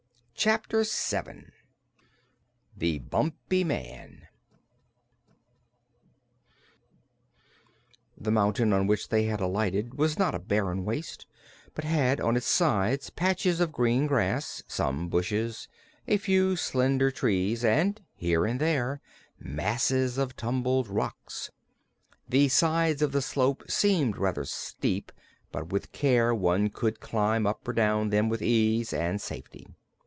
Chapter Seven The Bumpy Man The mountain on which they had alighted was not a barren waste, but had on its sides patches of green grass, some bushes, a few slender trees and here and there masses of tumbled rocks. The sides of the slope seemed rather steep, but with care one could climb up or down them with ease and safety.